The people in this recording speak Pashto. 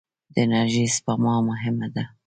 د انرژۍ سپما مهمه ده.